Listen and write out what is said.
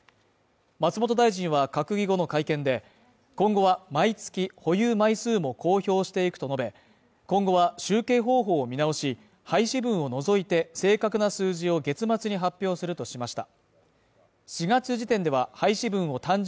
松本大臣は閣議後の会見で、今後は毎月保有枚数も公表していくと述べ、今後は集計方法を見直し、廃止分を除いて、正確な数字を月末に発表するとしました。